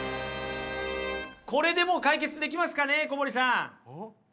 これでもう解決できますかね小堀さん。